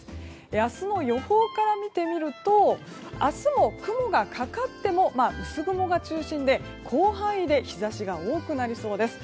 明日の予報から見てみると明日も雲がかかっても薄曇が中心で広範囲で日差しが多くなりそうです。